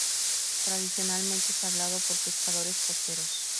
Tradicionalmente es hablado por pescadores costeros.